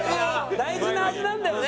大事な味なんだよね。